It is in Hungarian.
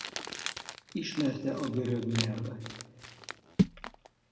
Ismerte a görög nyelvet.